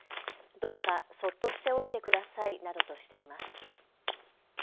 どうかそっとしておいてくださいなどとしています。